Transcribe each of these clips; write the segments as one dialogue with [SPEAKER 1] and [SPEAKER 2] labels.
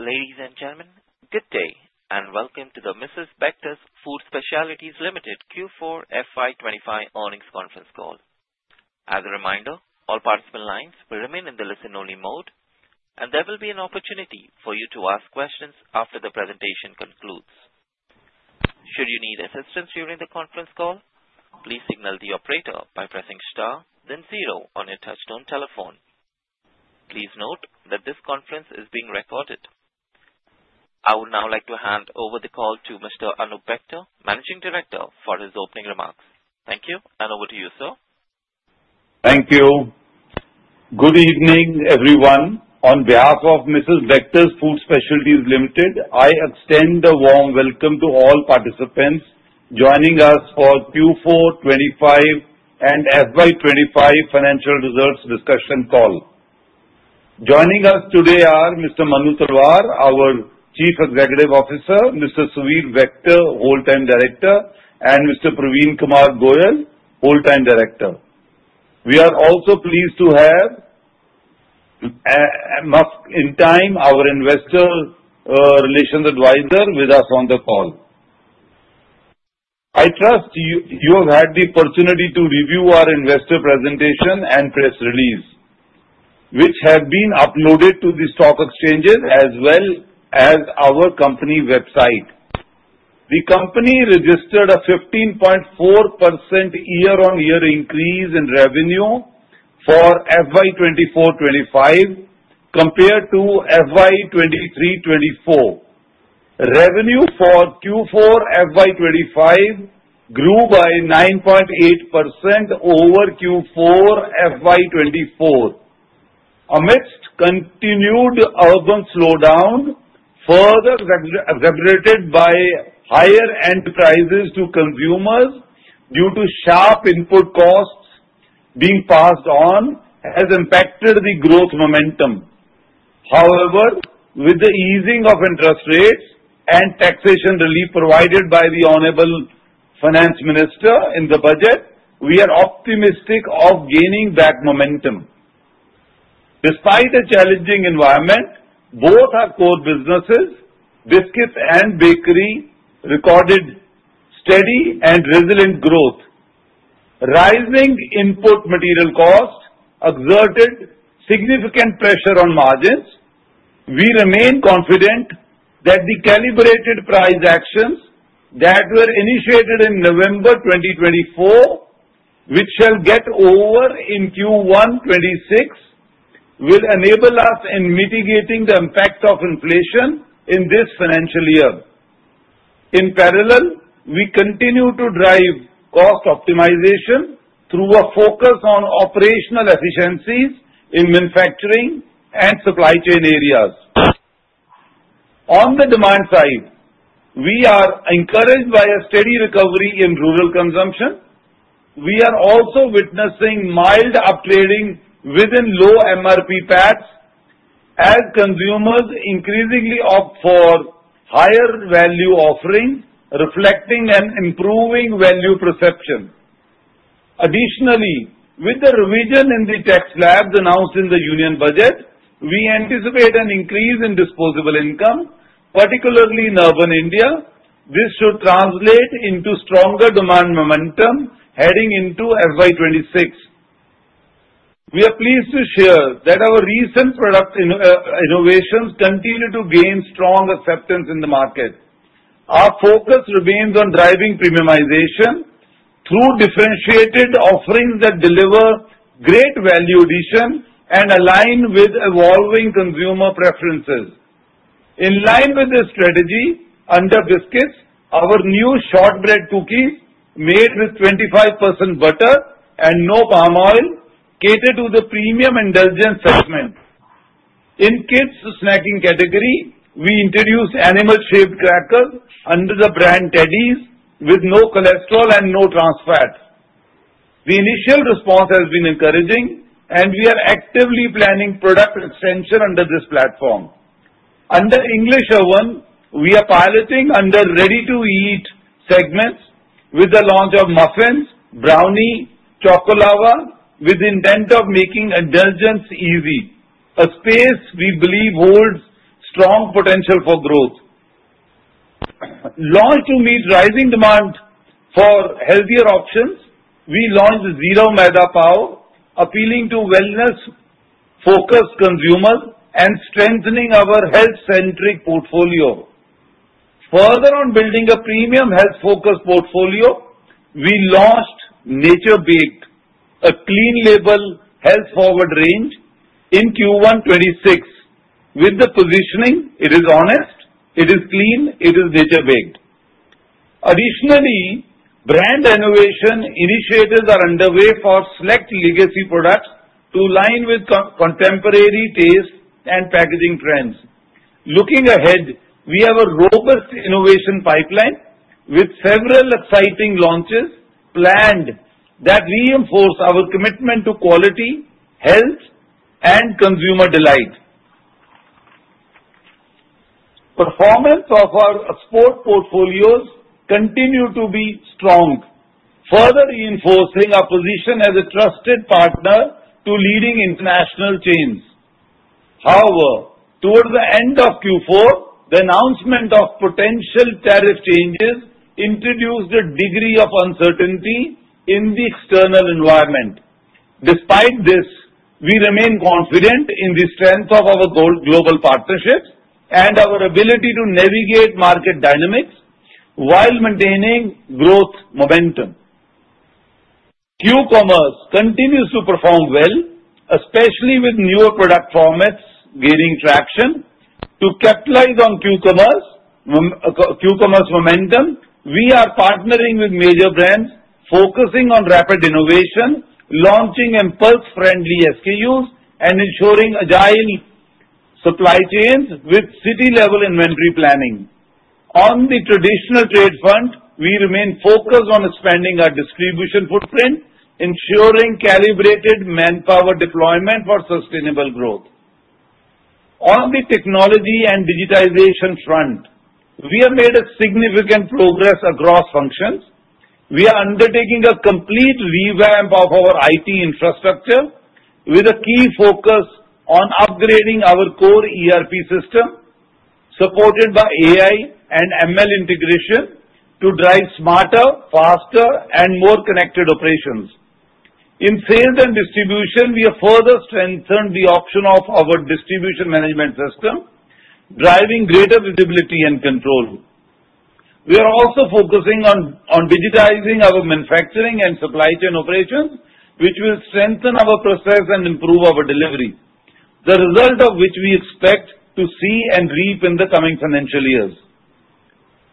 [SPEAKER 1] Ladies and gentlemen, good day and welcome to the Mrs. Bectors Food Specialities Limited Q4 FY25 earnings conference call. As a reminder, all participant lines will remain in the listen-only mode, and there will be an opportunity for you to ask questions after the presentation concludes. Should you need assistance during the conference call, please signal the operator by pressing star, then zero on your touch-tone telephone. Please note that this conference is being recorded. I would now like to hand over the call to Mr. Anoop Bector, Managing Director, for his opening remarks. Thank you, and over to you, sir.
[SPEAKER 2] Thank you. Good evening, everyone. On behalf of Mrs. Bectors Food Specialities Limited, I extend a warm welcome to all participants joining us for Q4 FY25 and FY25 financial results discussion call. Joining us today are Mr. Manu Talwar, our Chief Executive Officer, Mr. Suvir Bector, Whole Time Director, and Mr. Parveen Kumar Goel, Whole Time Director. We are also pleased to have, indeed, our investor relations advisor with us on the call. I trust you have had the opportunity to review our investor presentation and press release, which have been uploaded to the stock exchanges as well as our company website. The company registered a 15.4% year-on-year increase in revenue for FY25 compared to FY24. Revenue for Q4 FY25 grew by 9.8% over Q4 FY24, amidst continued urban slowdown further exacerbated by higher prices to consumers due to sharp input costs being passed on, has impacted the growth momentum. However, with the easing of interest rates and taxation relief provided by the Honorable Finance Minister in the budget, we are optimistic of gaining back momentum. Despite the challenging environment, both our core businesses, biscuits and bakery, recorded steady and resilient growth. Rising input material costs exerted significant pressure on margins. We remain confident that the calibrated price actions that were initiated in November 2024, which shall get over in Q1 26, will enable us in mitigating the impact of inflation in this financial year. In parallel, we continue to drive cost optimization through a focus on operational efficiencies in manufacturing and supply chain areas. On the demand side, we are encouraged by a steady recovery in rural consumption. We are also witnessing mild upgrading within low MRP paths as consumers increasingly opt for higher value offerings, reflecting an improving value perception. Additionally, with the revision in the tax laws announced in the union budget, we anticipate an increase in disposable income, particularly in urban India. This should translate into stronger demand momentum heading into FY26. We are pleased to share that our recent product innovations continue to gain strong acceptance in the market. Our focus remains on driving premiumization through differentiated offerings that deliver great value addition and align with evolving consumer preferences. In line with this strategy, under biscuits, our new shortbread cookies made with 25% butter and no palm oil cater to the premium indulgence segment. In kids' snacking category, we introduced animal-shaped crackers under the brand Teddies, with no cholesterol and no trans fat. The initial response has been encouraging, and we are actively planning product extension under this platform. Under English Oven, we are piloting under ready-to-eat segments with the launch of muffins, brownies, and chocolates, with the intent of making indulgence easy, a space we believe holds strong potential for growth. Launched to meet rising demand for healthier options, we launched Zero Maida Pav, appealing to wellness-focused consumers and strengthening our health-centric portfolio. Further on building a premium health-focused portfolio, we launched Nature Baked, a clean-label health-forward range in Q1 FY26, with the positioning, "It is honest, it is clean, it is nature-based." Additionally, brand innovation initiatives are underway for select legacy products to align with contemporary tastes and packaging trends. Looking ahead, we have a robust innovation pipeline with several exciting launches planned that reinforce our commitment to quality, health, and consumer delight. Performance of our export portfolios continues to be strong, further reinforcing our position as a trusted partner to leading international chains. However, towards the end of Q4, the announcement of potential tariff changes introduced a degree of uncertainty in the external environment. Despite this, we remain confident in the strength of our global partnerships and our ability to navigate market dynamics while maintaining growth momentum. Q-Commerce continues to perform well, especially with newer product formats gaining traction. To capitalize on Q-Commerce momentum, we are partnering with major brands, focusing on rapid innovation, launching impulse-friendly SKUs, and ensuring agile supply chains with city-level inventory planning. On the traditional trade front, we remain focused on expanding our distribution footprint, ensuring calibrated manpower deployment for sustainable growth. On the technology and digitization front, we have made significant progress across functions. We are undertaking a complete revamp of our IT infrastructure with a key focus on upgrading our core ERP system, supported by AI and ML integration, to drive smarter, faster, and more connected operations. In sales and distribution, we have further strengthened the adoption of our distribution management system, driving greater visibility and control. We are also focusing on digitizing our manufacturing and supply chain operations, which will strengthen our process and improve our delivery, the result of which we expect to see and reap in the coming financial years.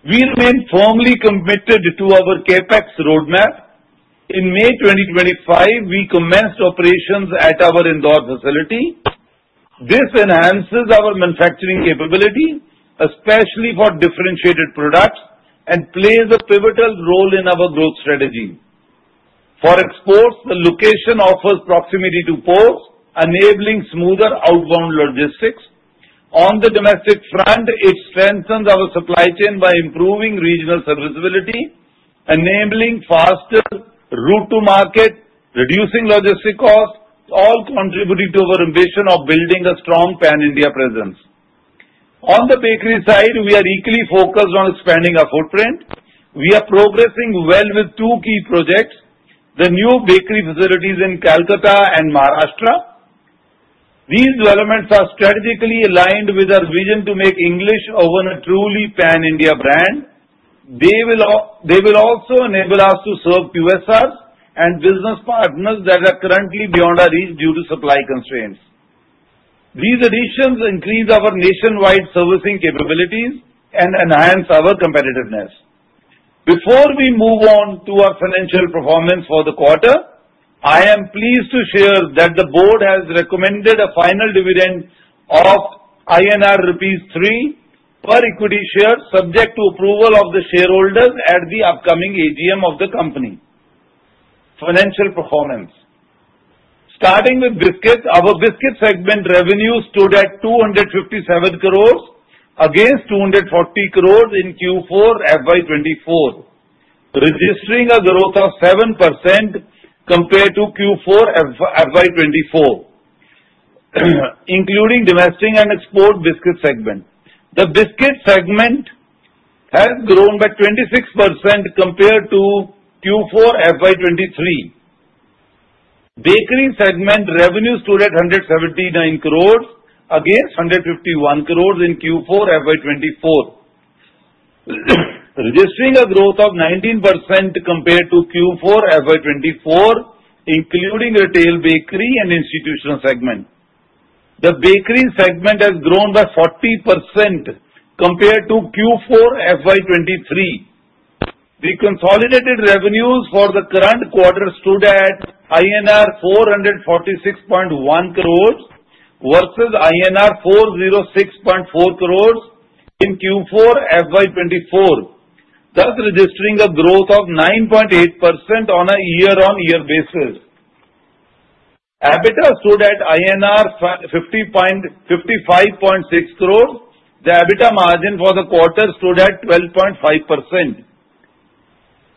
[SPEAKER 2] We remain firmly committed to our CapEx roadmap. In May 2025, we commenced operations at our Indore facility. This enhances our manufacturing capability, especially for differentiated products, and plays a pivotal role in our growth strategy. For exports, the location offers proximity to ports, enabling smoother outbound logistics. On the domestic front, it strengthens our supply chain by improving regional serviceability, enabling faster route-to-market, reducing logistic costs, all contributing to our ambition of building a strong pan-India presence. On the bakery side, we are equally focused on expanding our footprint. We are progressing well with two key projects: the new bakery facilities in Kolkata and Maharashtra. These developments are strategically aligned with our vision to make English Oven a truly pan-India brand. They will also enable us to serve QSRs and business partners that are currently beyond our reach due to supply constraints. These additions increase our nationwide servicing capabilities and enhance our competitiveness. Before we move on to our financial performance for the quarter, I am pleased to share that the board has recommended a final dividend of rupees 3 per equity share, subject to approval of the shareholders at the upcoming AGM of the company. Financial performance: starting with biscuits, our biscuit segment revenues stood at 257 crores against 240 crores in Q4 FY24, registering a growth of 7% compared to Q4 FY24, including domestic and export biscuit segment. The biscuit segment has grown by 26% compared to Q4 FY23. Bakery segment revenues stood at 179 crores against 151 crores in Q4 FY24, registering a growth of 19% compared to Q4 FY24, including retail bakery and institutional segment. The bakery segment has grown by 40% compared to Q4 FY23. The consolidated revenues for the current quarter stood at INR 446.1 crores versus INR 406.4 crores in Q4 FY24, thus registering a growth of 9.8% on a year-on-year basis. EBITDA stood at INR 55.6 crores. The EBITDA margin for the quarter stood at 12.5%.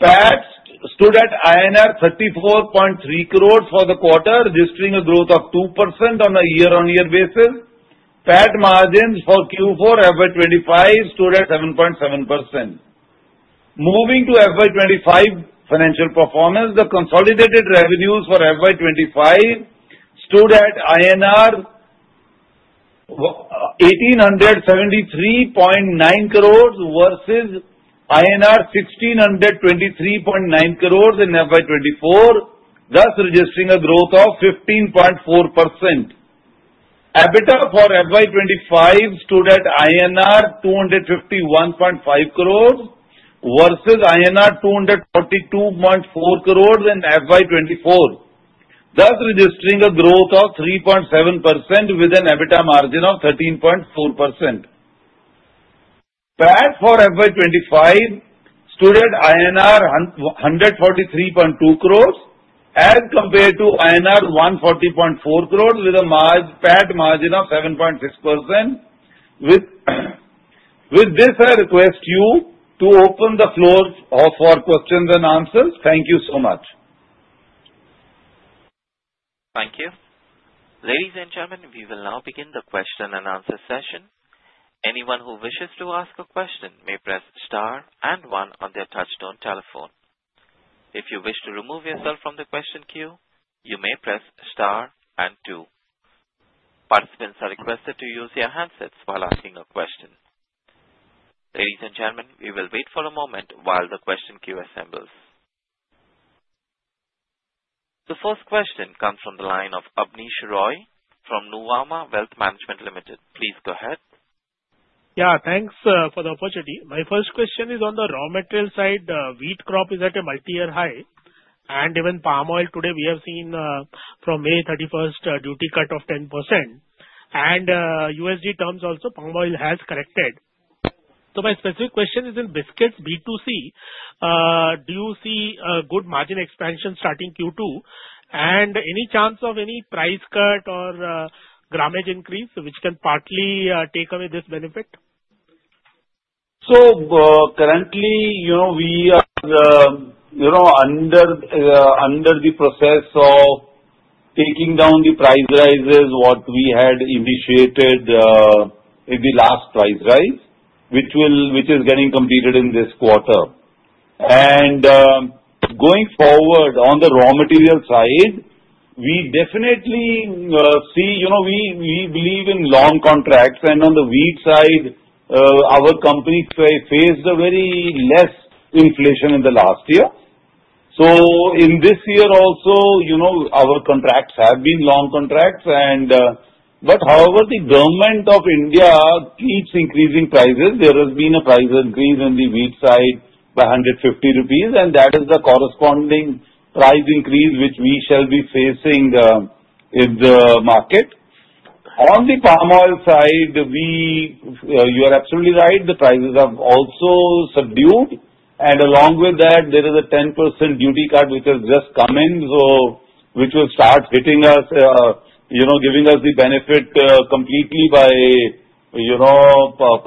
[SPEAKER 2] PAT stood at INR 34.3 crores for the quarter, registering a growth of 2% on a year-on-year basis. PAT margins for Q4 FY25 stood at 7.7%. Moving to FY25 financial performance, the consolidated revenues for FY25 stood at INR 1873.9 crores versus INR 1623.9 crores in FY24, thus registering a growth of 15.4%. EBITDA for FY25 stood at INR 251.5 crores versus INR 242.4 crores in FY24, thus registering a growth of 3.7% with an EBITDA margin of 13.4%. PAT for FY25 stood at INR 143.2 crores as compared to INR 140.4 crores with a PAT margin of 7.6%. With this, I request you to open the floor for questions and answers. Thank you so much.
[SPEAKER 1] Thank you. Ladies and gentlemen, we will now begin the question and answer session. Anyone who wishes to ask a question may press star and one on their touch-tone telephone. If you wish to remove yourself from the question queue, you may press star and two. Participants are requested to use their handsets while asking a question. Ladies and gentlemen, we will wait for a moment while the question queue assembles. The first question comes from the line of Abneesh Roy from Nuvama Wealth Management Limited. Please go ahead. Yeah, thanks for the opportunity. My first question is on the raw material side.
[SPEAKER 3] Wheat crop is at a multi-year high, and even palm oil today we have seen from May 31st a duty cut of 10%, and in USD terms also palm oil has corrected. So my specific question is in biscuits B to C. Do you see a good margin expansion starting Q2, and any chance of any price cut or gramage increase which can partly take away this benefit?
[SPEAKER 2] So currently, you know we are under the process of taking down the price rises what we had initiated in the last price rise, which is getting completed in this quarter. And going forward on the raw material side, we definitely see we believe in long contracts, and on the wheat side, our company faced very less inflation in the last year. So in this year also, our contracts have been long contracts, but however, the government of India keeps increasing prices. There has been a price increase on the wheat side by 150 rupees, and that is the corresponding price increase which we shall be facing in the market. On the palm oil side, you are absolutely right. The prices have also subdued, and along with that, there is a 10% duty cut which has just come in, which will start hitting us, giving us the benefit completely by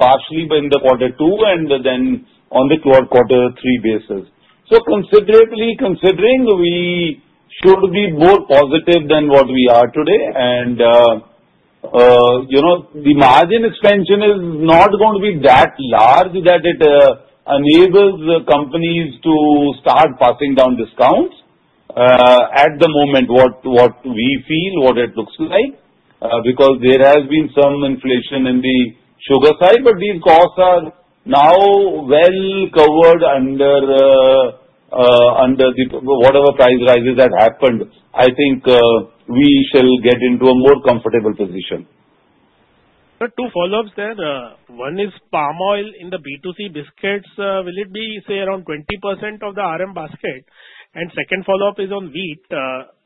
[SPEAKER 2] partially in the quarter two and then on the quarter three basis. So considerably considering, we should be more positive than what we are today, and the margin expansion is not going to be that large that it enables companies to start passing down discounts. At the moment, what we feel, what it looks like, because there has been some inflation in the sugar side, but these costs are now well-covered under whatever price rises that happened. I think we shall get into a more comfortable position.
[SPEAKER 3] Two follow-ups there. One is palm oil in the B2C biscuits. Will it be, say, around 20% of the RM basket? And second follow-up is on wheat.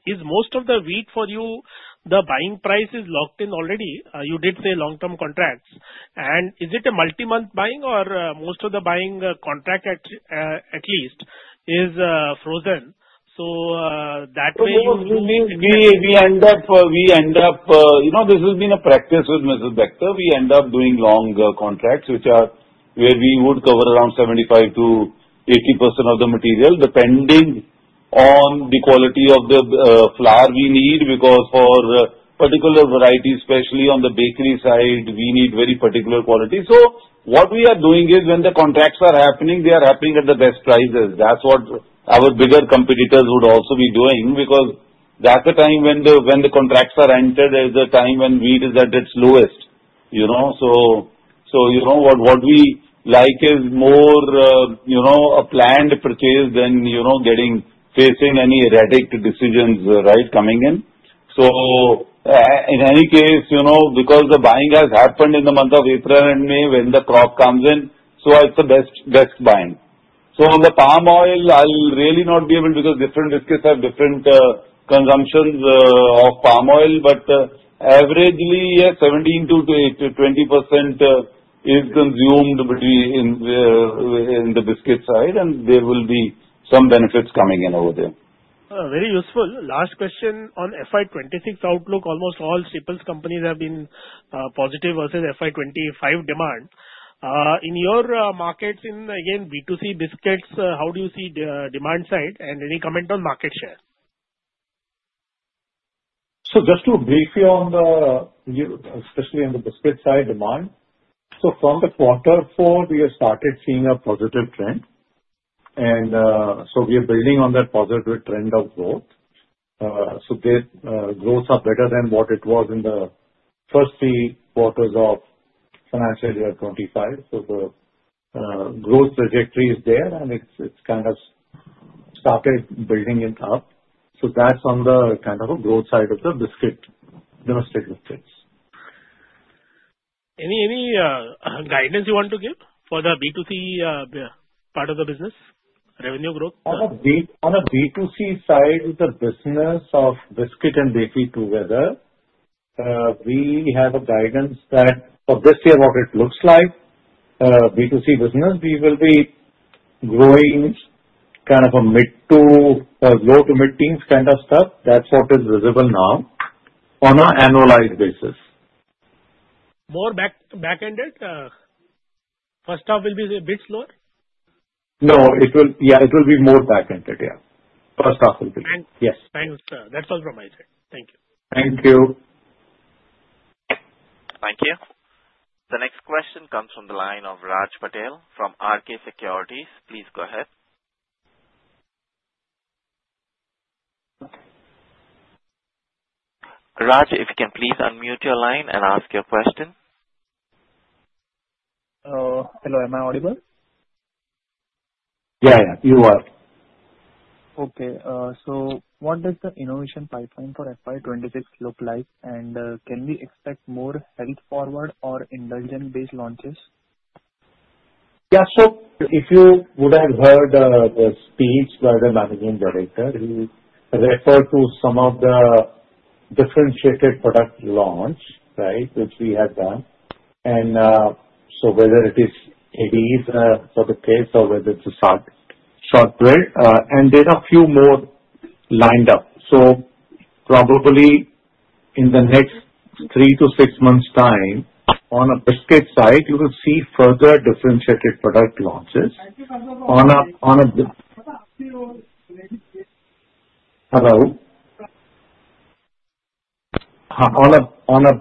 [SPEAKER 3] Is most of the wheat for you, the buying price is locked in already? You did say long-term contracts. And is it a multi-month buying or most of the buying contract at least is frozen? So that way you.
[SPEAKER 2] We end up, this has been a practice with Mrs. Bectors. We end up doing long contracts where we would cover around 75%-80% of the material depending on the quality of the flour we need, because for particular varieties, especially on the bakery side, we need very particular quality. So what we are doing is when the contracts are happening, they are happening at the best prices. That's what our bigger competitors would also be doing, because that's the time when the contracts are entered. It's the time when wheat is at its lowest. So what we like is more a planned purchase than facing any erratic decisions coming in. So in any case, because the buying has happened in the month of April and May when the crop comes in, so it's the best buying. So on the palm oil, I'll really not be able to because different biscuits have different consumptions of palm oil, but averagely 17%-20% is consumed in the biscuit side, and there will be some benefits coming in over there.
[SPEAKER 3] Very useful. Last question on FY26 outlook. Almost all staples companies have been positive versus FY25 demand. In your markets in, again, B to C biscuits, how do you see demand side and any comment on market share?
[SPEAKER 2] So just to brief you on the especially on the biscuit side demand, so from the quarter four, we have started seeing a positive trend, and so we are building on that positive trend of growth. So growths are better than what it was in the first three quarters of financial year 2025. So the growth trajectory is there, and it's kind of started building up. So that's on the kind of a growth side of the biscuit, domestic biscuits.
[SPEAKER 3] Any guidance you want to give for the B to C part of the business, revenue growth?
[SPEAKER 2] On the B to C side of the business of biscuit and bakery together, we have a guidance that for this year what it looks like, B to C business, we will be growing kind of a low to mid-teens kind of stuff. That's what is visible now on an annualized basis.
[SPEAKER 3] More back-ended? First half will be a bit slower?
[SPEAKER 2] No, it will be more back-ended, yeah. First half will be. Yes.
[SPEAKER 3] Thank you, sir. That's all from my side. Thank you.
[SPEAKER 2] Thank you.
[SPEAKER 1] Thank you. The next question comes from the line of Raj Patel from RK Securities. Please go ahead. Raj, if you can please unmute your line and ask your question.
[SPEAKER 4] Hello, am I audible?
[SPEAKER 2] Yeah, yeah, you are.
[SPEAKER 4] Okay. So what does the innovation pipeline for FY26 look like, and can we expect more health-forward or indulgent-based launches?
[SPEAKER 2] Yeah, so if you would have heard the speech by the Managing Director, he referred to some of the differentiated product launch, right, which we have done. So whether it is Teddies for the kids or whether it's a shortbread, and there are a few more lined up. So probably in the next three to six months' time, on a biscuit side, you will see further differentiated product launches. On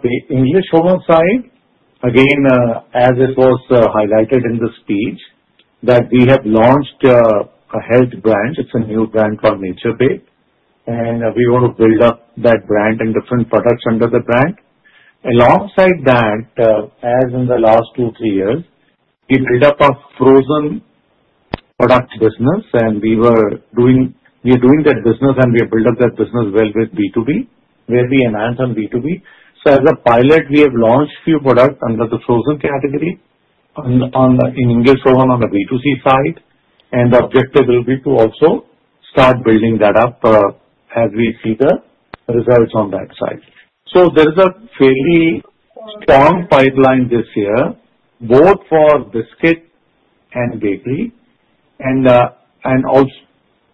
[SPEAKER 2] the English Oven side, again, as it was highlighted in the speech, we have launched a health brand. It's a new brand called Nature Baked, and we want to build up that brand and different products under the brand. Alongside that, as in the last two, three years, we built up a frozen product business, and we were doing that business, and we built up that business well with B to B, where we enhanced on B to B. As a pilot, we have launched a few products under the frozen category in English Oven on the B to C side, and the objective will be to also start building that up as we see the results on that side. There is a fairly strong pipeline this year, both for biscuit and bakery, and also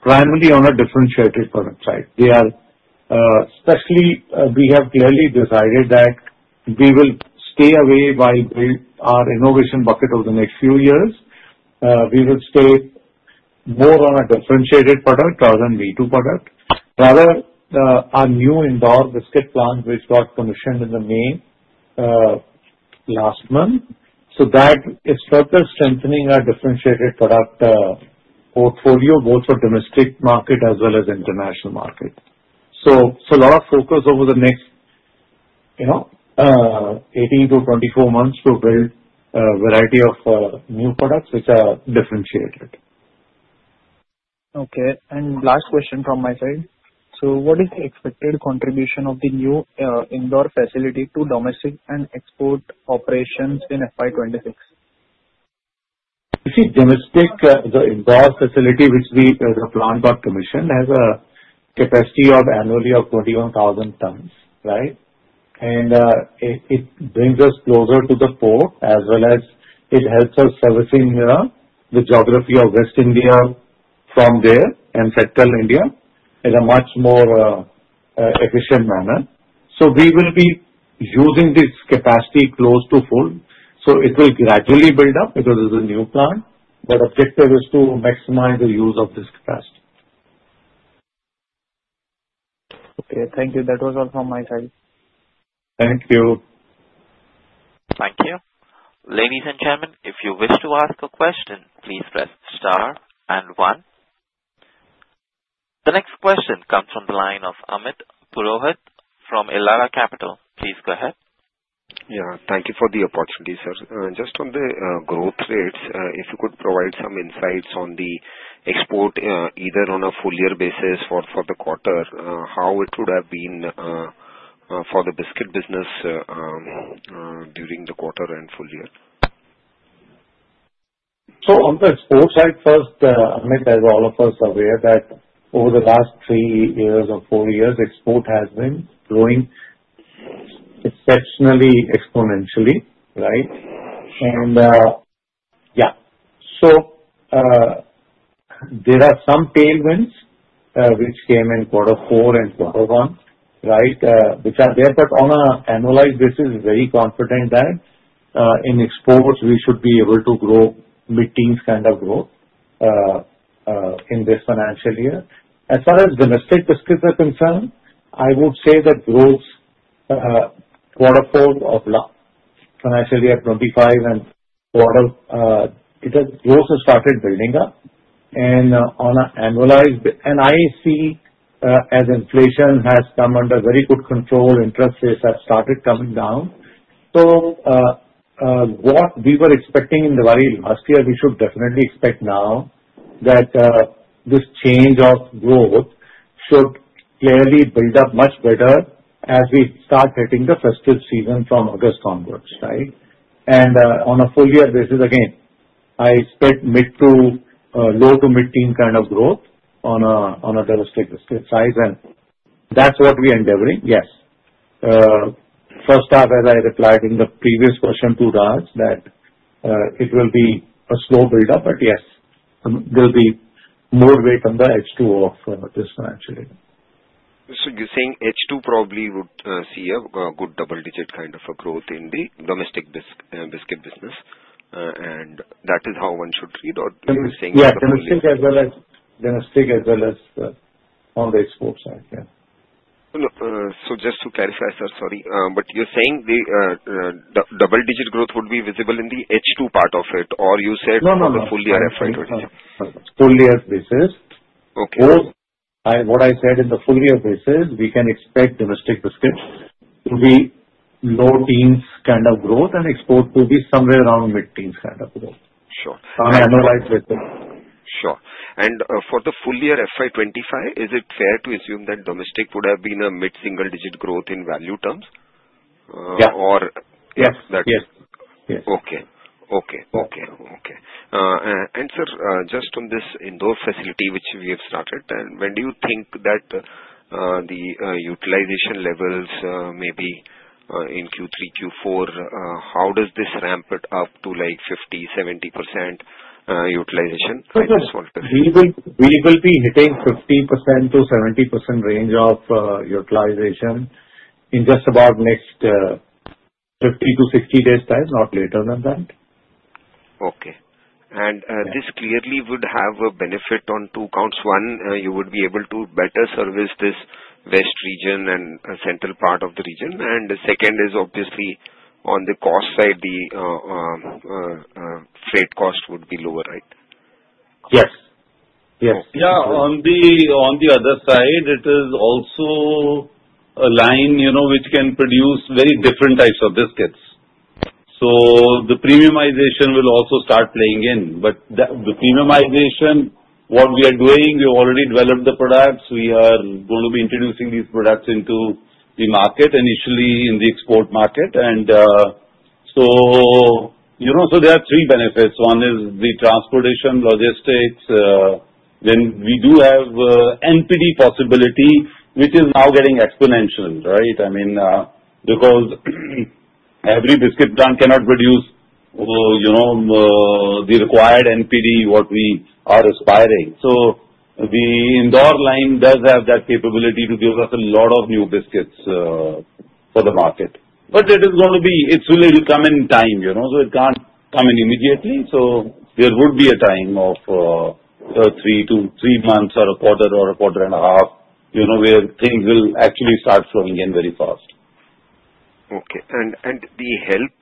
[SPEAKER 2] primarily on a differentiated product side. Especially, we have clearly decided that we will stay within our innovation bucket over the next few years. We will stay more on a differentiated product rather than commodity product. Rather, our new Indore biscuit plant, which got commissioned in May last month, so that is further strengthening our differentiated product portfolio, both for domestic market as well as international market. A lot of focus over the next 18-24 months to build a variety of new products which are differentiated.
[SPEAKER 4] Okay. And last question from my side. So what is the expected contribution of the new Indore facility to domestic and export operations in FY26?
[SPEAKER 2] You see, domestic, the Indore facility which the plant got commissioned has a capacity of annually of 21,000 tons, right? And it brings us closer to the port as well as it helps us servicing the geography of West India from there and Central India in a much more efficient manner. So we will be using this capacity close to full. So it will gradually build up because it is a new plant, but the objective is to maximize the use of this capacity.
[SPEAKER 4] Okay, thank you. That was all from my side.
[SPEAKER 2] Thank you.
[SPEAKER 1] Thank you. Ladies and gentlemen, if you wish to ask a question, please press star and one. The next question comes from the line of Amit Purohit from Elara Capital. Please go ahead.
[SPEAKER 5] Yeah, thank you for the opportunity, sir. Just on the growth rates, if you could provide some insights on the export, either on a full-year basis for the quarter, how it would have been for the biscuit business during the quarter and full year?
[SPEAKER 2] So on the export side first, as all of us are aware that over the last three years or four years, export has been growing exceptionally exponentially, right? And yeah, so there are some tailwinds which came in quarter four and quarter one, right, which are there, but on an annualized basis, very confident that in exports, we should be able to grow mid-teens kind of growth in this financial year. As far as domestic biscuits are concerned, I would say that growth quarter four of financial year 2025 and quarter one, it has started building up. On an annualized basis, I see as inflation has come under very good control. Interest rates have started coming down. So what we were expecting in the very last year, we should definitely expect now that this change of growth should clearly build up much better as we start hitting the festive season from August onwards, right? On a full-year basis, again, I expect mid to low to mid-teens kind of growth on a domestic biscuit side, and that's what we are endeavoring, yes. First half, as I replied in the previous question to Raj, that it will be a slow buildup, but yes, there will be more weight on the H2 of this financial year.
[SPEAKER 5] So you're saying H2 probably would see a good double-digit kind of a growth in the domestic biscuit business, and that is how one should read, or are you saying that?
[SPEAKER 2] Yeah, domestic as well as domestic as well as on the export side, yeah.
[SPEAKER 5] So just to clarify, sir, sorry, but you're saying the double-digit growth would be visible in the H2 part of it, or you said on the full-year FY26?
[SPEAKER 2] No, no, no. Full-year basis. What I said in the full-year basis, we can expect domestic biscuits to be low-teens kind of growth and export to be somewhere around mid-teens kind of growth on an annualized basis.
[SPEAKER 5] Sure. And for the full-year FY25, is it fair to assume that domestic would have been a mid-single-digit growth in value terms? Or
[SPEAKER 2] Yes, that is. Yes. Yes.
[SPEAKER 5] Okay. Okay. Okay. Okay. And sir, just on this Indore facility which we have started, when do you think that the utilization levels may be in Q3, Q4, how does this ramp it up to like 50%-70% utilization? I just wanted to ask we will be hitting 50%-70% range of utilization in just about next 50 to 60 days' time, not later than that. Okay. And this clearly would have a benefit on two counts. One, you would be able to better service this West India and Central India. And the second is obviously on the cost side, the freight cost would be lower, right?
[SPEAKER 2] Yes. Yes. Yeah, on the other side, it is also a line which can produce very different types of biscuits. So the premiumization will also start playing in. But the premiumization, what we are doing, we've already developed the products. We are going to be introducing these products into the market initially in the export market. And so there are three benefits. One is the transportation, logistics. Then we do have NPD possibility, which is now getting exponential, right? I mean, because every biscuit plant cannot produce the required NPD what we are aspiring. So the Indore line does have that capability to give us a lot of new biscuits for the market. But it is going to be it will come in time. So it can't come in immediately. So there would be a time of three months or a quarter or a quarter and a half where things will actually start flowing in very fast. Okay. And the health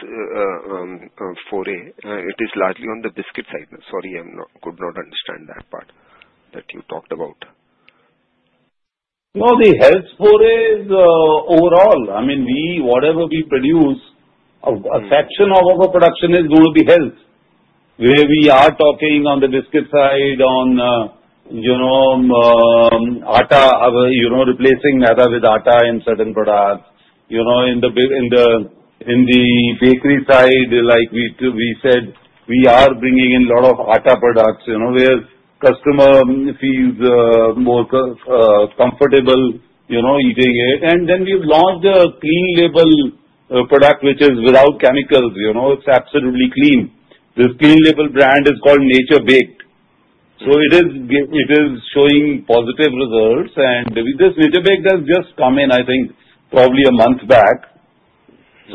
[SPEAKER 2] foray, it is largely on the biscuit side. Sorry, I could not understand that part that you talked about. No, the health foray is overall. I mean, whatever we produce, a section of our production is going to be health, where we are talking on the biscuit side, on atta replacing maida with atta in certain products. In the bakery side, like we said, we are bringing in a lot of atta products where customer feels more comfortable eating it. And then we've launched a clean label product which is without chemicals. It's absolutely clean. This clean label brand is called Nature Baked. So it is showing positive results. And this Nature Baked has just come in, I think, probably a month back.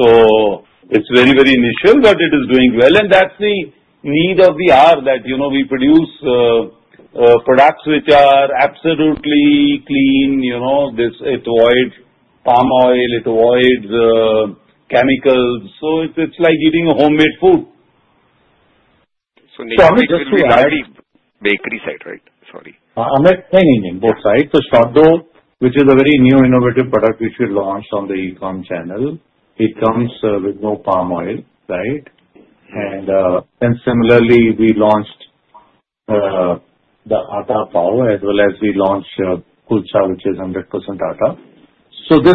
[SPEAKER 2] So it's very, very initial, but it is doing well. And that's the need of the hour that we produce products which are absolutely clean. It avoids palm oil. It avoids chemicals. So it's like eating homemade food. So Nature Baked is already
[SPEAKER 5] Bakery side, right? Sorry. Amit, same in both sides. Shortbread, which is a very new innovative product which we launched on the e-com channel, it comes with no palm oil, right? And similarly, we launched the Atta Pav as well as we launched Atta Kulcha, which is 100% Atta. This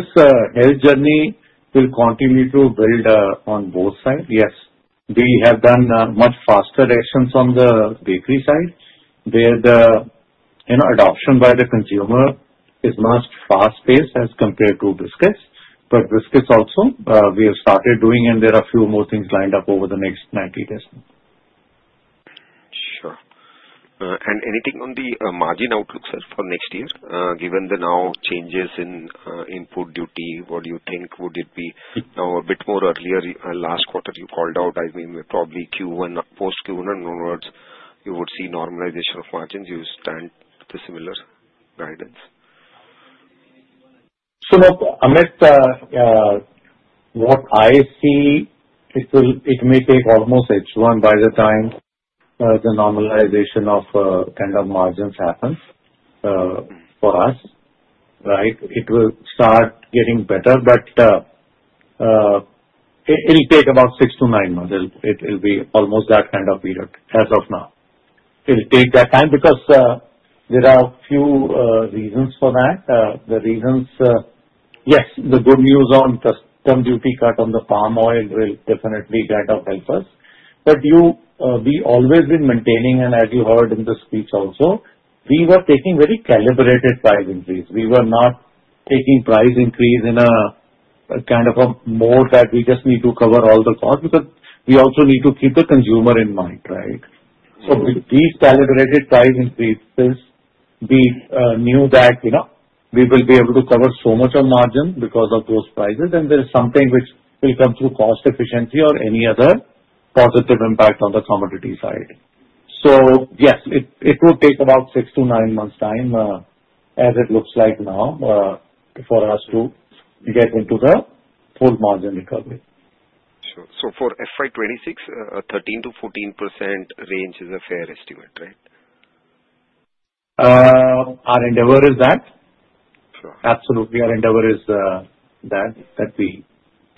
[SPEAKER 5] health journey will continue to build on both sides. Yes, we have done much faster actions on the bakery side where the adoption by the consumer is much faster as compared to biscuits. But biscuits also, we have started doing, and there are a few more things lined up over the next 90 days. Sure. Anything on the margin outlook, sir, for next year? Given the new changes in input duty, what do you think? Would it be now a bit more earlier last quarter? You called out, I mean, probably post Q1 and onwards, you would see normalization of margins. You stand to similar guidance?
[SPEAKER 2] So Amit, what I see, it may take almost H1 by the time the normalization of kind of margins happens for us, right? It will start getting better, but it'll take about six to nine months. It'll be almost that kind of period as of now. It'll take that time because there are a few reasons for that. The reasons, yes, the good news on customs duty cut on the palm oil will definitely kind of help us. But we always been maintaining, and as you heard in the speech also, we were taking very calibrated price increase. We were not taking price increase in a kind of a mode that we just need to cover all the cost because we also need to keep the consumer in mind, right? So with these calibrated price increases, we knew that we will be able to cover so much of margin because of those prices. And there is something which will come through cost efficiency or any other positive impact on the commodity side. So yes, it will take about six to nine months' time as it looks like now for us to get into the full margin recovery.
[SPEAKER 5] Sure. So for FY26, a 13%-14% range is a fair estimate, right?
[SPEAKER 2] Our endeavor is that. Absolutely, our endeavor is that we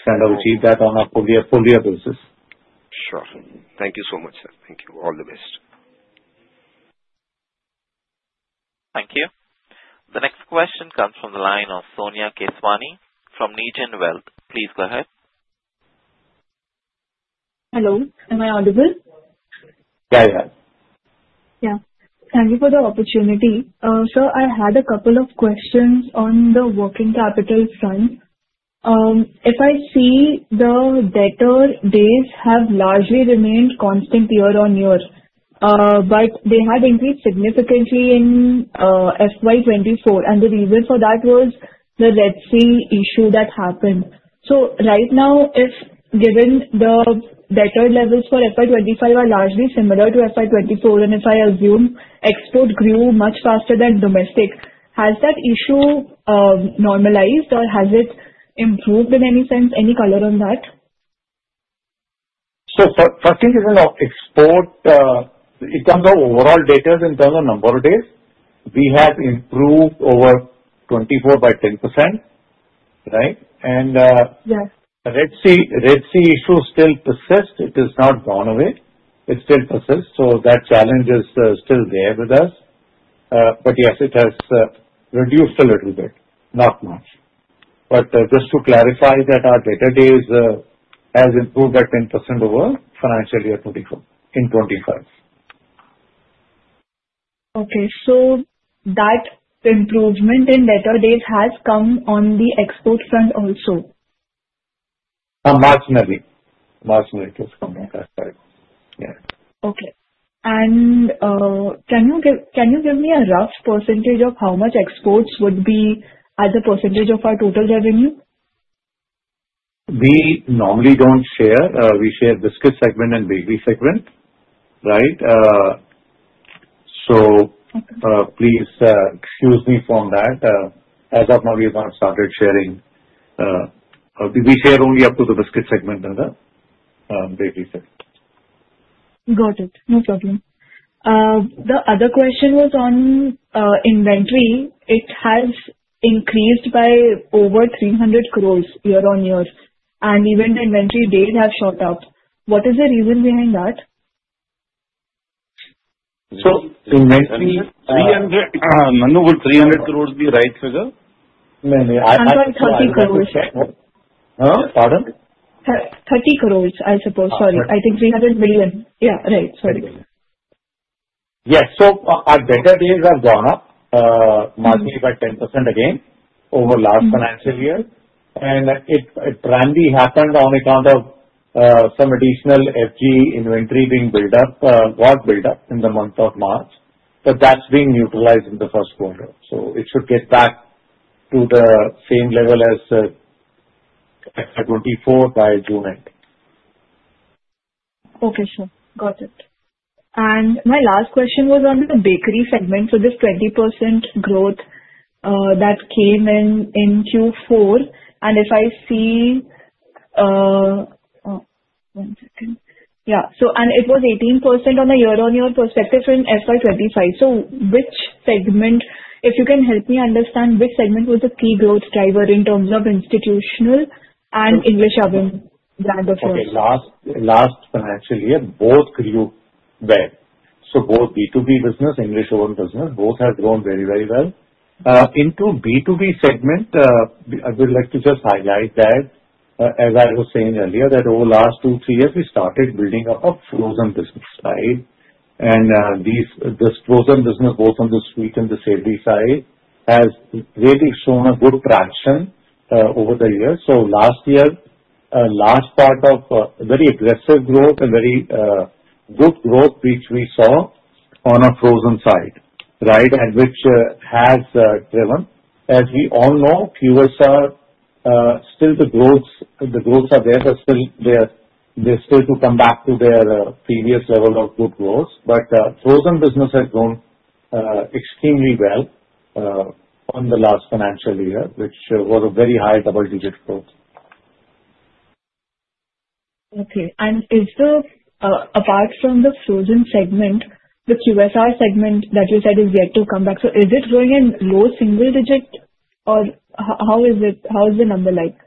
[SPEAKER 2] kind of achieve that on a full-year basis.
[SPEAKER 5] Sure. Thank you so much, sir. Thank you. All the best.
[SPEAKER 2] Thank you.
[SPEAKER 1] The next question comes from the line of Sonia Keswani from Coheron Wealth. Please go ahead.
[SPEAKER 6] Hello. Am I audible?
[SPEAKER 2] Yeah, yeah.
[SPEAKER 6] Yeah. Thank you for the opportunity. Sir, I had a couple of questions on the working capital front. If I see the debtor days have largely remained constant year on year, but they have increased significantly in FY24. And the reason for that was the Red Sea issue that happened. So right now, given the debtor levels for FY25 are largely similar to FY24, and if I assume export grew much faster than domestic, has that issue normalized or has it improved in any sense? Any color on that?
[SPEAKER 2] So particularly now, export, in terms of overall data in terms of number of days, we have improved over 24 by 10%, right? And the Red Sea issue still persists. It has not gone away. It still persists. So that challenge is still there with us. But yes, it has reduced a little bit, not much. But just to clarify that our debtor days has improved by 10% over financial year 2024 in 2025.
[SPEAKER 6] Okay. So that improvement in debtor days has come on the export front also?
[SPEAKER 2] Marginally. Marginally it has come on that side. Yeah.
[SPEAKER 6] Okay. And can you give me a rough percentage of how much exports would be as a percentage of our total revenue?
[SPEAKER 2] We normally don't share. We share biscuit segment and bakery segment, right? So please excuse me from that. As of now, we have not started sharing. We share only up to the biscuit segment and the bakery segment.
[SPEAKER 6] Got it. No problem. The other question was on inventory. It has increased by over 300 crores year on year. And even the inventory days have shot up. What is the reason behind that?
[SPEAKER 2] So inventory 300. Manu, will 300 crores be right figure?
[SPEAKER 6] No, no. I'm sorry, 30 crores.
[SPEAKER 2] Pardon?
[SPEAKER 6] 30 crores, I suppose. Sorry. I think 300 million. Yeah, right. Sorry. Yes.
[SPEAKER 2] So our debtor days have gone up marginally by 10% again over last financial year. And it primarily happened on account of some additional FG inventory being built up, got built up in the month of March. But that's been neutralized in the first quarter. So it should get back to the same level as FY24 by June end.
[SPEAKER 6] Okay, sir. Got it. And my last question was on the bakery segment. So this 20% growth that came in Q4. And if I see one second. Yeah. And it was 18% on a year-on-year perspective in FY25. So if you can help me understand, which segment was the key growth driver in terms of institutional and English Oven brand of course?
[SPEAKER 2] Okay. Last financial year, both grew well. So both B2B business, English Oven business, both have grown very, very well. In the B2B segment, I would like to just highlight that, as I was saying earlier, that over the last two, three years, we started building up a frozen business side. And this frozen business, both on the sweet and the savory side, has really shown a good traction over the years. So last year, a large part of very aggressive growth and very good growth which we saw on our frozen side, right, and which has driven. As we all know, peers are still the growth is there, but still they have to come back to their previous level of good growth. But frozen business has grown extremely well in the last financial year, which was a very high double-digit growth. Okay.
[SPEAKER 6] And apart from the frozen segment, the QSR segment that you said is yet to come back. So is it growing in low single digit? Or how is the number like?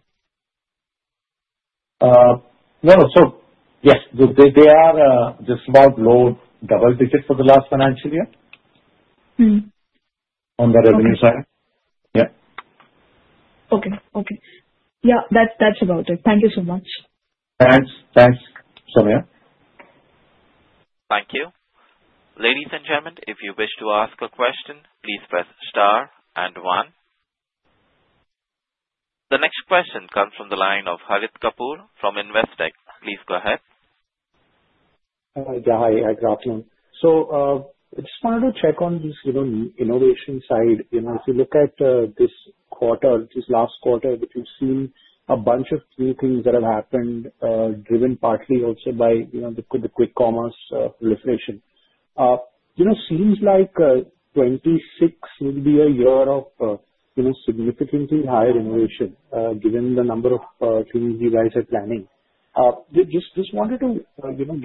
[SPEAKER 2] No, no. So yes, they are the small low double digit for the last financial year on the revenue side. Yeah.
[SPEAKER 6] Okay. Okay. Yeah, that's about it. Thank you so much.
[SPEAKER 2] Thanks. Thanks, Sonia.
[SPEAKER 1] Thank you. Ladies and gentlemen, if you wish to ask a question, please press star and one. The next question comes from the line of Harit Kapoor from Investec. Please go ahead.
[SPEAKER 7] Yeah, hi. Hi, Gracian. So I just wanted to check on this innovation side. If you look at this quarter, this last quarter, which we've seen a bunch of new things that have happened, driven partly also by the quick commerce proliferation. It seems like 26 will be a year of significantly higher innovation, given the number of things you guys are planning. Just wanted to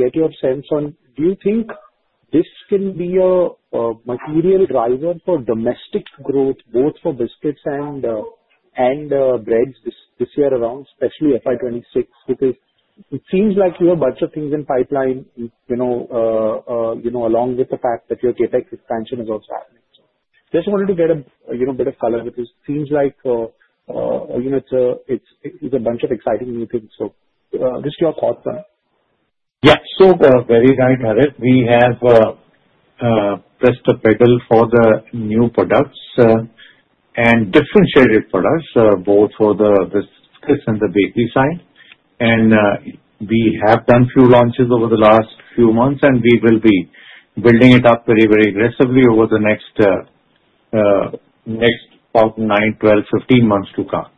[SPEAKER 7] get your sense on, do you think this can be a material driver for domestic growth, both for biscuits and breads this year around, especially FY26? Because it seems like you have a bunch of things in the pipeline, along with the fact that your Capex expansion is also happening. So just wanted to get a bit of color, because it seems like it's a bunch of exciting new things. So just your thoughts on it.
[SPEAKER 2] Yeah. So very right, Harith. We have pressed the pedal for the new products and differentiated products, both for the biscuits and the bakery side. We have done a few launches over the last few months, and we will be building it up very, very aggressively over the next nine, 12, 15 months to come.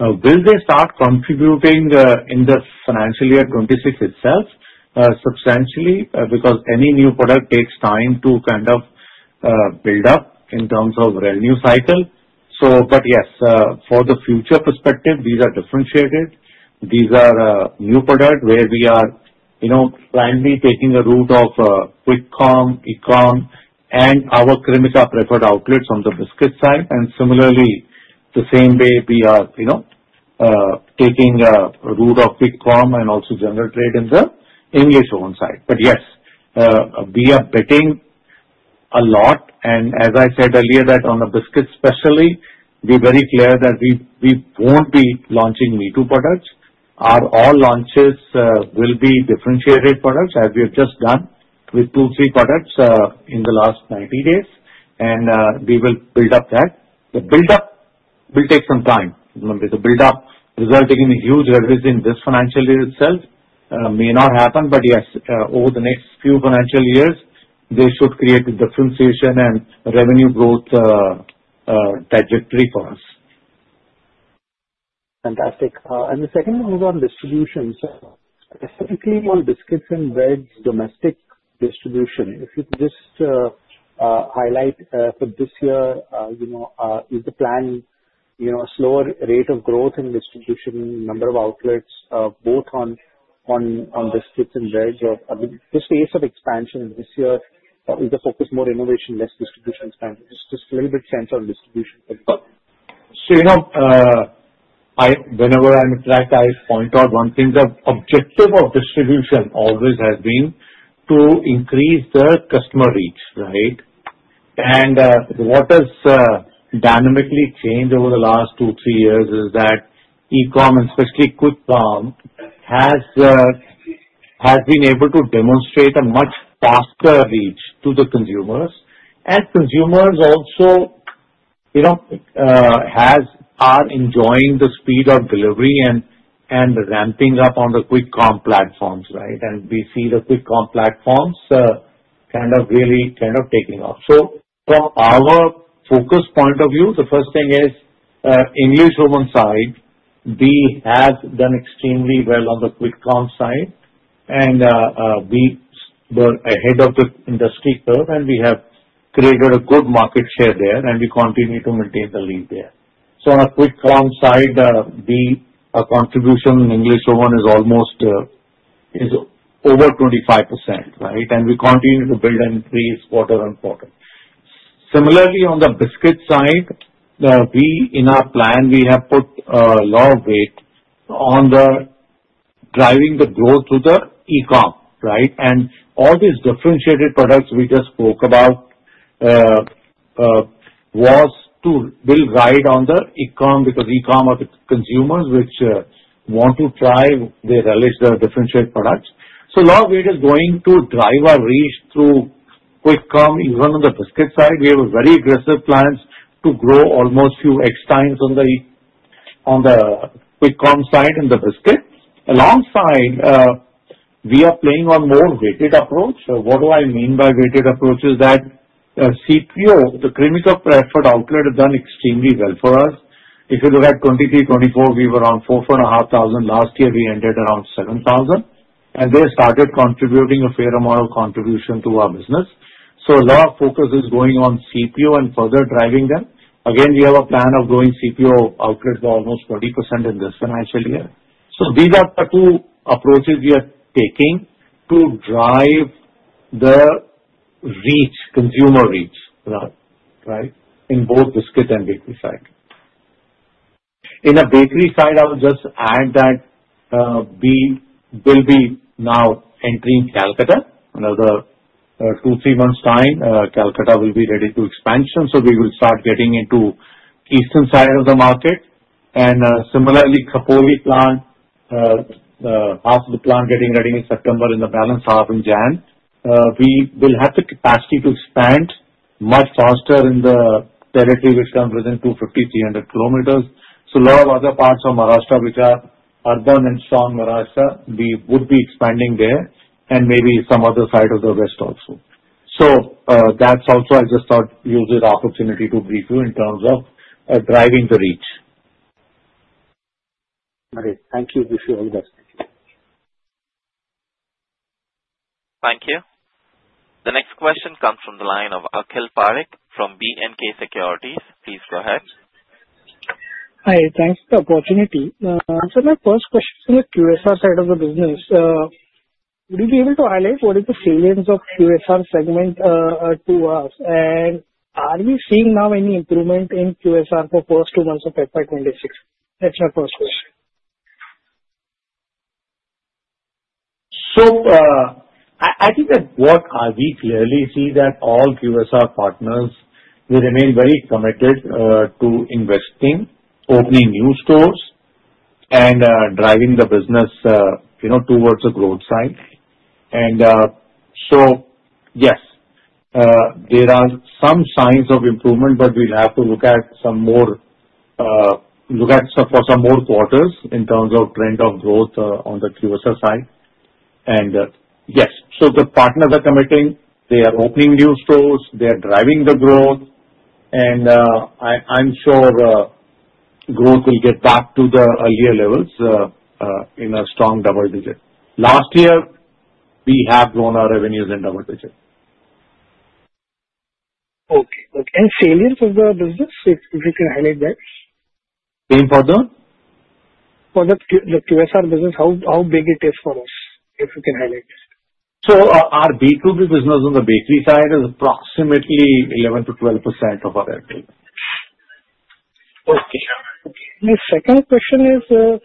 [SPEAKER 2] Will they start contributing in the financial year 2026 itself substantially? Because any new product takes time to kind of build up in terms of revenue cycle. But yes, for the future perspective, these are differentiated. These are new products where we are finally taking a route of quick commerce, e-commerce, and our Cremica preferred outlets on the biscuit side. And similarly, the same way we are taking a route of quick commerce and also general trade in the English Oven side. But yes, we are betting a lot. And as I said earlier, that on the biscuits especially, we're very clear that we won't be launching me-too products. Our all launches will be differentiated products, as we have just done with two or three products in the last 90 days. And we will build up that. The build-up will take some time. The build-up resulting in a huge revenue in this financial year itself may not happen. But yes, over the next few financial years, they should create a differentiation and revenue growth trajectory for us. Fantastic. And the second one is on distribution. Specifically on biscuits and breads, domestic distribution, if you could just highlight for this year, is the plan a slower rate of growth in distribution, number of outlets, both on biscuits and breads? I mean, this phase of expansion this year, is the focus more innovation, less distribution expansion? Just a little bit sense on distribution. So whenever I'm tracked, I point out one thing. The objective of distribution always has been to increase the customer reach, right, and what has dynamically changed over the last two, three years is that e-com, and especially quick commerce, has been able to demonstrate a much faster reach to the consumers, and consumers also are enjoying the speed of delivery and ramping up on the quick commerce platforms, right, and we see the quick commerce platforms kind of really kind of taking off, so from our focus point of view, the first thing is English Oven side, we have done extremely well on the quick commerce side, and we were ahead of the industry curve, and we have created a good market share there, and we continue to maintain the lead there, so on a quick commerce side, our contribution in English Oven is over 25%, right, and we continue to build and increase quarter on quarter. Similarly, on the biscuit side, in our plan, we have put a lot of weight on driving the growth through the e-com, right, and all these differentiated products we just spoke about was to build right on the e-com because e-com are the consumers which want to try the differentiated products, so a lot of it is going to drive our reach through quick commerce, even on the biscuit side. We have very aggressive plans to grow almost few X times on the quick commerce side in the biscuit. Alongside, we are playing on more weighted approach. What do I mean by weighted approach? Is that CPO, the Cremica Preferred Outlet, has done extremely well for us. If you look at FY23, FY24, we were around 4,500. Last year, we ended around 7,000, and they started contributing a fair amount of contribution to our business. So a lot of focus is going on CPO and further driving them. Again, we have a plan of growing CPO outlet by almost 20% in this financial year. So these are the two approaches we are taking to drive the reach, consumer reach, right, in both biscuit and bakery side. In the bakery side, I will just add that we will be now entering Kolkata in another two, three months' time. Kolkata will be ready to expansion. So we will start getting into the eastern side of the market. And similarly, Khopoli plant, half of the plant getting ready in September, and the balance half in January. We will have the capacity to expand much faster in the territory which comes within 250-300 kilometers. So, a lot of other parts of Maharashtra, which are urban and strong Maharashtra, we would be expanding there and maybe some other side of the west also. So that's also I just thought use this opportunity to brief you in terms of driving the reach. Great. Thank you. Wish you all the best. Thank you. The next question comes from the line of Akhil Parekh from B&K Securities. Please go ahead. Hi. Thanks for the opportunity. So my first question is on the QSR side of the business. Would you be able to highlight what is the share of QSR segment to us? And are we seeing now any improvement in QSR for the first two months of FY26? That's my first question. So I think that what we clearly see is that all QSR partners, they remain very committed to investing, opening new stores, and driving the business towards the growth side. And so yes, there are some signs of improvement, but we'll have to look at some more quarters in terms of trend of growth on the QSR side. And yes. So the partners are committing. They are opening new stores. They are driving the growth. And I'm sure growth will get back to the earlier levels in a strong double digit. Last year, we have grown our revenues in double digit. Okay. And size of the business, if you can highlight that? For the QSR business, how big it is for us, if you can highlight it? Our B2B business on the bakery side is approximately 11%-12% of our revenue. Okay. My second question is,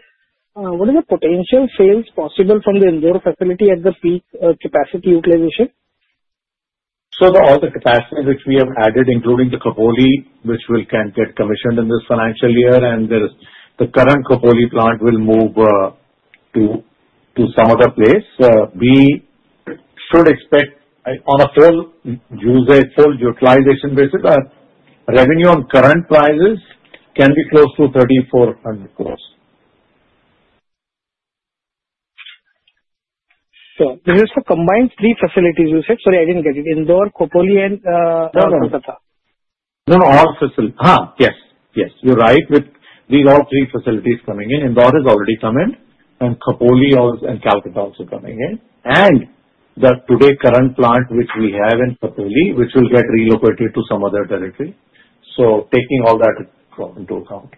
[SPEAKER 2] what is the potential sales possible from the Indore facility at the peak capacity utilization? So all the capacity which we have added, including the Khopoli, which will get commissioned in this financial year, and the current Khopoli plant will move to some other place. We should expect on a full utilization basis, revenue on current prices can be close to 3,400 crores. So this is for combined three facilities, you said? Sorry, I didn't get it. Indore, Khopoli, and Kolkata? No, no. All facilities. Yes. Yes. You're right. These are all three facilities coming in. Indore has already come in, and Khopoli and Kolkata also coming in. And the today current plant which we have in Khopoli, which will get relocated to some other territory. So taking all that into account.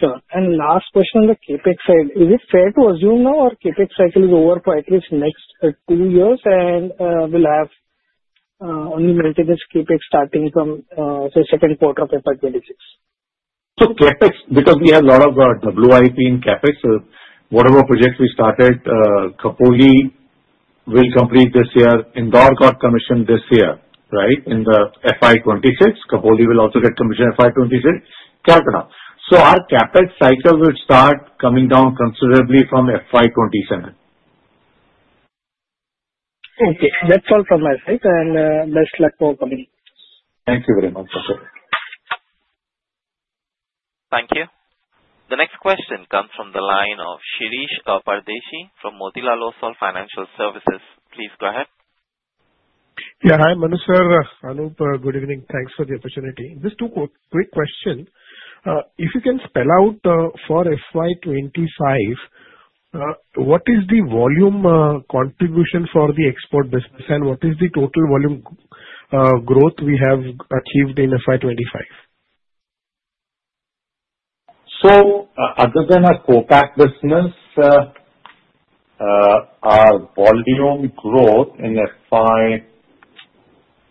[SPEAKER 2] Sure. And last question on the Capex side. Is it fair to assume now our Capex cycle is over for at least next two years and will have only maintenance Capex starting from the second quarter of FY26? So Capex, because we have a lot of WIP in Capex, whatever project we started, Khopoli will complete this year. Indore got commissioned this year, right, in the FY26. Khopoli will also get commissioned FY26. Kolkata. So our Capex cycle will start coming down considerably from FY27. Okay. That's all from my side. And best luck for coming. Thank you very much. Thank you. The next question comes from the line of Shirish Pardeshi from Motilal Oswal Financial Services. Please go ahead. Yeah. Hi, Manu sir. Anup, good evening. Thanks for the opportunity. Just two quick questions. If you can spell out for FY25, what is the volume contribution for the export business, and what is the total volume growth we have achieved in FY25? So other than our Khopoli business, our volume growth in FY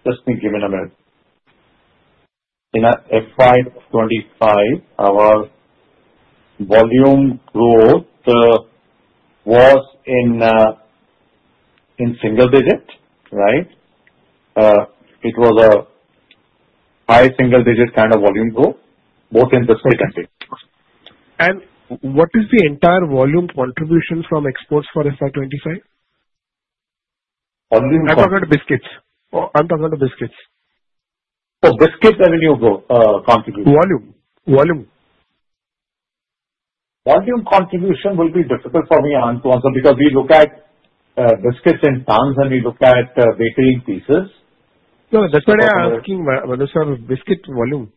[SPEAKER 2] just give me a minute. In FY25, our volume growth was in single digit, right? It was a high single digit kind of volume growth, both in business. Second. And what is the entire volume contribution from exports for FY25? Volume contribution? I'm talking about biscuits. I'm talking about biscuits. So biscuit revenue contribution? Volume. Volume. Volume contribution will be difficult for me to answer because we look at biscuits in tons and we look at bakery pieces. No, that's what I'm asking, Manu Sir. Biscuit volume.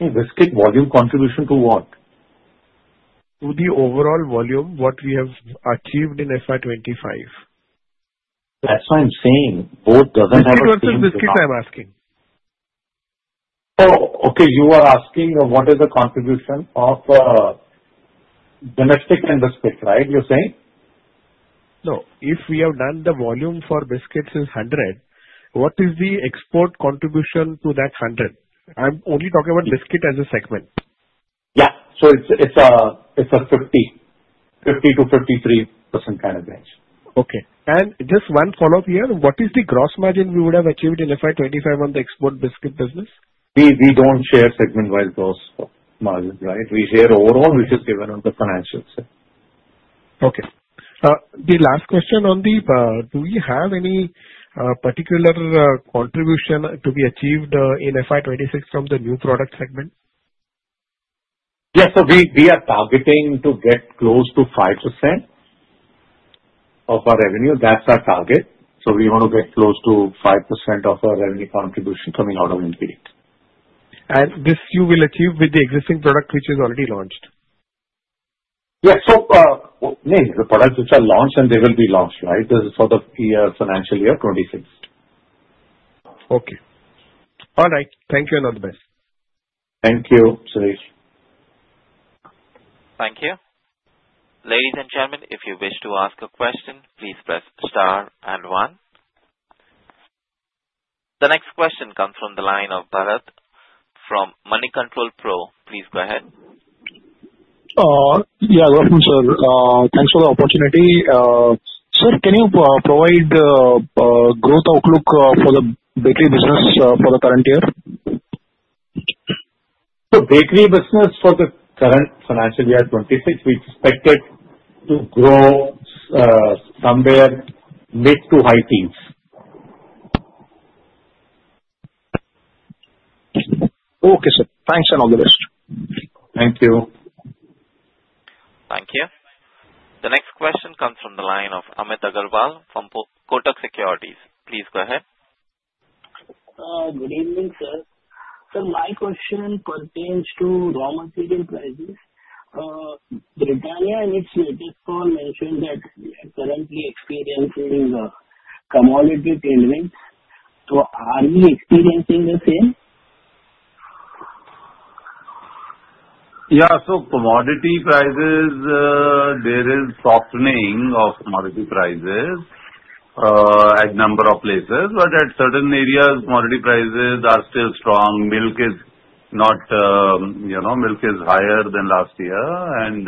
[SPEAKER 2] Biscuit volume contribution to what? To the overall volume what we have achieved in FY25. That's why I'm saying both doesn't have a contribution. Which one is biscuits I'm asking? Oh, okay. You are asking what is the contribution of domestic and biscuit, right? You're saying? No. If we have done the volume for biscuits is 100, what is the export contribution to that 100? I'm only talking about biscuit as a segment. Yeah. So it's a 50%-53% kind of range. Okay. And just one follow-up here. What is the gross margin we would have achieved in FY25 on the export biscuit business? We don't share segment-wise gross margin, right? We share overall, which is given on the financial side. Okay. The last question on the, do we have any particular contribution to be achieved in FY26 from the new product segment? Yes. So we are targeting to get close to 5% of our revenue. That's our target. So we want to get close to 5% of our revenue contribution coming out of NPD. And this you will achieve with the existing product which is already launched? Yes. So the products which are launched and they will be launched, right? This is for the financial year 26. Okay. All right. Thank you and all the best. Thank you, Shirish. Thank you. Ladies and gentlemen, if you wish to ask a question, please press star and one. The next question comes from the line of Bharat from Moneycontrol Pro. Please go ahead. Yeah. Welcome, sir. Thanks for the opportunity. Sir, can you provide a growth outlook for the bakery business for the current year? So bakery business for the current financial year 26, we expect it to grow somewhere mid to high teens. Okay, sir. Thanks and all the best. Thank you. Thank you. The next question comes from the line of Amit Aggarwal from Kotak Securities. Please go ahead. Good evening, sir. So my question pertains to raw material prices. Britannia in its latest call mentioned that we are currently experiencing commodity tailwinds. So are we experiencing the same? Yeah. So commodity prices, there is softening of commodity prices at a number of places. But at certain areas, commodity prices are still strong. Milk is higher than last year. And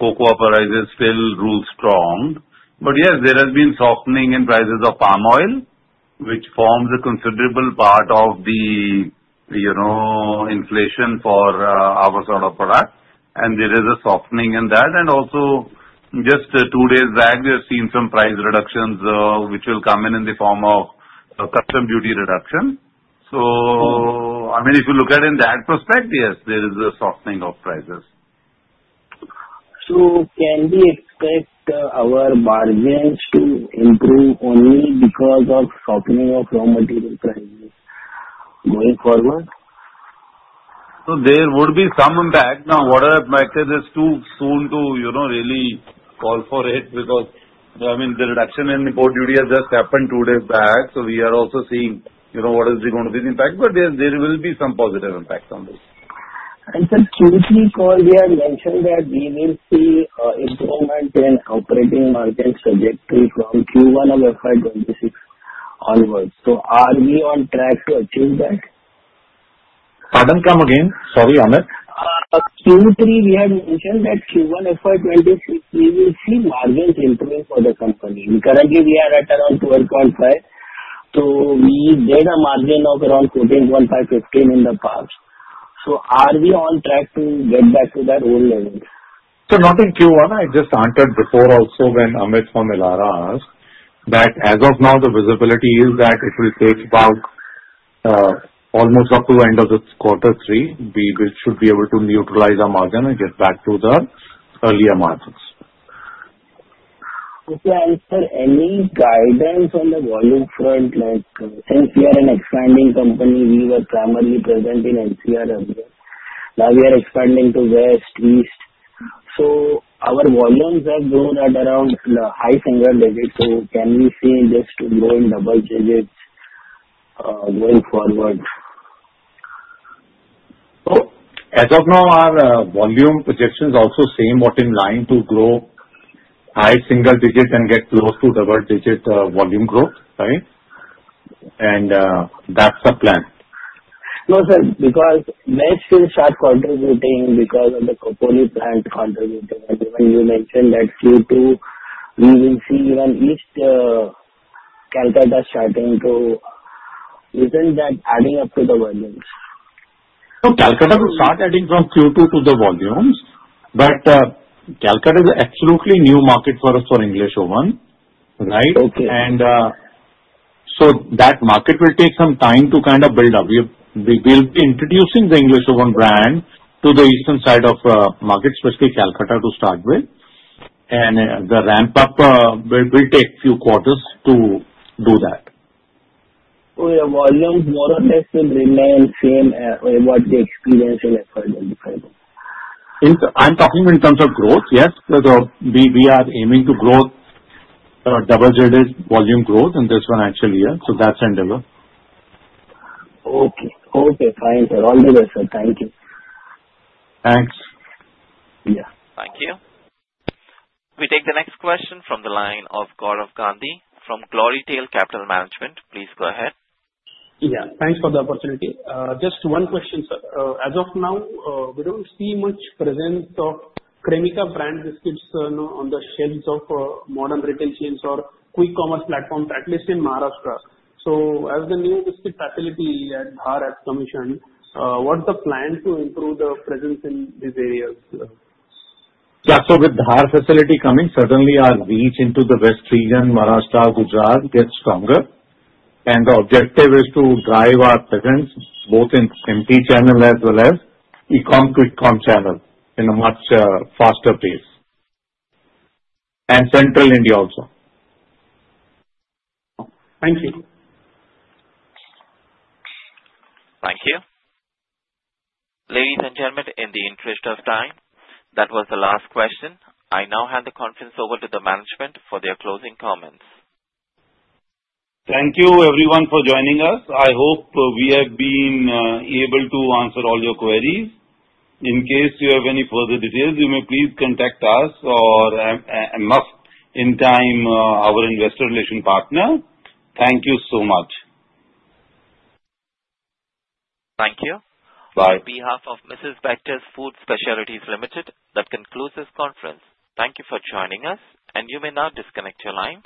[SPEAKER 2] cocoa prices still rule strong. But yes, there has been softening in prices of palm oil, which forms a considerable part of the inflation for our sort of product. And there is a softening in that. And also, just two days back, we have seen some price reductions which will come in the form of customs duty reduction. I mean, if you look at it in that perspective, yes, there is a softening of prices. Can we expect our margins to improve only because of softening of raw material prices going forward? There would be some impact. Now, it's too soon to really call for it because, I mean, the reduction in the import duty has just happened two days back. So we are also seeing what is going to be the impact. But there will be some positive impact on this. And just curiously, on the call, we had mentioned that we will see improvement in operating margin trajectory from Q1 of FY26 onwards. So are we on track to achieve that? Pardon, come again. Sorry, Amit. Q3, we had mentioned that Q1 FY26, we will see margins improving for the company. Currently, we are at around 12.5. So we did a margin of around 14.5%-15% in the past. So are we on track to get back to that old level? So not in Q1. I just answered before also when Amit from Elara asked that as of now, the visibility is that it will take about almost up to end of this quarter three, we should be able to neutralize our margin and get back to the earlier margins. Okay. And sir, any guidance on the volume front? Since we are an expanding company, we were primarily present in NCR earlier. Now we are expanding to West, East. So our volumes have grown at around high single digit. So can we see this to grow in double digits going forward? As of now, our volume projections are also same what in line to grow high single digit and get close to double digit volume growth, right? That's the plan. No, sir, because margins are sharp contributing because of the Khopoli plant contributing. When you mentioned that Q2, we will see even East Kolkata starting to, isn't that adding up to the volumes? So Kolkata will start adding from Q2 to the volumes. But Kolkata is an absolutely new market for us for English Oven, right? And so that market will take some time to kind of build up. We'll be introducing the English Oven brand to the eastern side of market, especially Kolkata to start with. And the ramp-up will take a few quarters to do that. So your volumes more or less will remain the same what the experience in FY25? I'm talking in terms of growth, yes. We are aiming to grow double digit volume growth in this financial year. So that's endeavor. Okay. Okay. Fine, sir. All the best, sir. Thank you. Thanks. Yeah. Thank you. We take the next question from the line of Gaurav Gandhi from GloryTail Capital Management. Please go ahead. Yeah. Thanks for the opportunity. Just one question, sir. As of now, we don't see much presence of Cremica brand biscuits on the shelves of modern retail chains or quick commerce platforms, at least in Maharashtra. So as the new biscuit facility at Indore commissioned, what's the plan to improve the presence in these areas? Yeah. So with Indore facility coming, certainly our reach into the West region, Maharashtra, Gujarat gets stronger. And the objective is to drive our presence both in MT channel as well as e-com, quick com channel in a much faster pace. And Central India also. Thank you. Thank you. Ladies and gentlemen, in the interest of time, that was the last question. I now hand the conference over to the management for their closing comments. Thank you, everyone, for joining us. I hope we have been able to answer all your queries. In case you have any further details, you may please contact us or intimate our investor relations partner. Thank you so much. Thank you. Bye. On behalf of Mrs. Bectors Food Specialities Limited, that concludes this conference. Thank you for joining us, and you may now disconnect your lines.